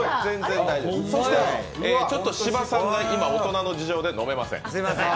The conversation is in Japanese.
芝さんが大人の事情で飲めません。